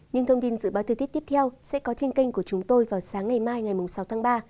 những thông tin dự báo thời tiết tiếp theo sẽ có trên kênh của chúng tôi vào sáng ngày mai ngày sáu tháng ba